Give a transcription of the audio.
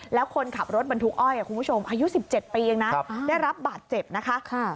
แล้วคนขับรถบรรทุกอ้อยคุณผู้ชมอายุ๑๗ปีเองนะได้รับบาดเจ็บนะคะ